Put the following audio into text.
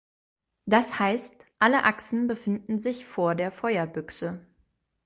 Das heisst, alle Achsen befinden sich vor der Feuerbüchse.